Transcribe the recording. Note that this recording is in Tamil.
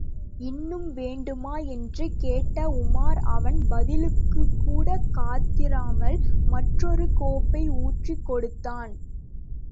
இன்னும் வேண்டுமா? என்று கேட்ட உமார் அவன் பதிலுக்குக்கூடக் காத்திராமல் மற்றொரு கோப்பை ஊற்றிக் கொடுத்தான்.